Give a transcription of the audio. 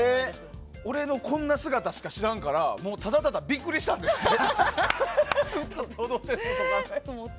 俺のこんな姿しか知らんからただただビックリしたんですって。